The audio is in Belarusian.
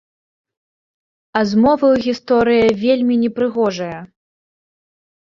А з моваю гісторыя вельмі непрыгожая!